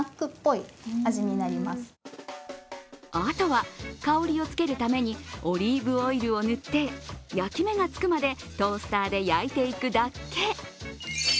あとは香りをつけるためにオリーブオイルを塗って焼き目がつくまでトースターで焼いていくだけ。